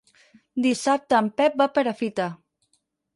Dissabte en Pep va a Perafita.